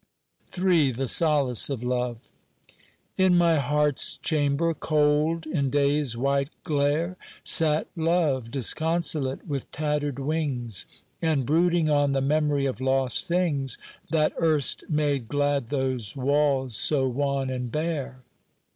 III THE SOLACE OF LOVE IN my heart's chamber cold in day's white glare, Sate Love disconsolate with tatter'd wings, And brooding on the memory of lost things That erst made glad those walls, so wan and bare.